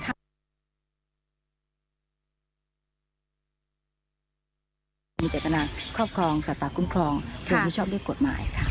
มีใจกรรมาครอบครองสตราปกุ้งครองเพราะผู้ชอบด้วยกฎหมาย